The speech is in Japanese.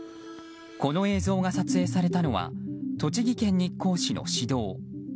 この映像が撮影されたのは栃木県日光市の市道。